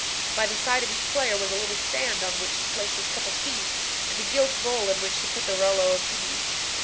By the side of each player was a little stand on which to place his cup of tea, and a gilt bowl in which to put the rouleaux of guineas.